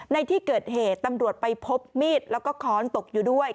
ในที่เกิดเหตุตำรวจไปพบมีดแล้วก็ค้อนตกอยู่ด้วย